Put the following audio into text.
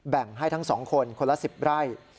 แบ่งให้ทั้งสองคนคนละสิบไร่